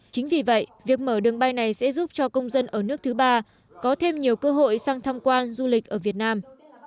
chính vì vậy việc mở đường bay này sẽ giúp cho công dân ở nước thứ ba có thêm nhiều cơ hội sang thăm quan du lịch ở việt nam